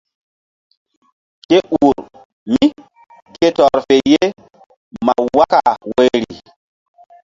Ke ur mí ke tɔr fe ye ma waka woyri.